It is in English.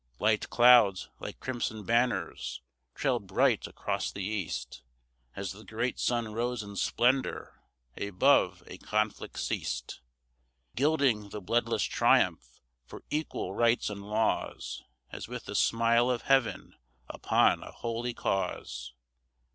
Light clouds, like crimson banners, trailed bright across the east, As the great sun rose in splendor above a conflict ceased, Gilding the bloodless triumph for equal rights and laws, As with the smile of heaven upon a holy cause.